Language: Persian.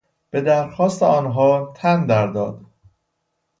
به درخواست آنها تن در داد.